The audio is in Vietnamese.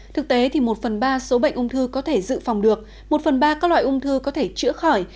thực tế thì một phần ba số bệnh ung thư có thể dự phòng được một phần ba các loại ung thư có thể chữa khỏi